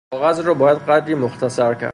کاغذ را باید قدری مختصر کرد